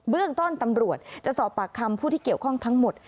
เรื่องต้นตำรวจจะสอบปากคำผู้ที่เกี่ยวข้องทั้งหมด